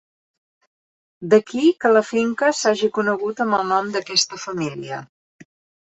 D'aquí que la finca s'hagi conegut amb el nom d'aquesta família.